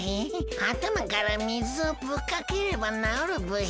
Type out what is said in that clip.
あたまから水をぶっかければなおるブヒ。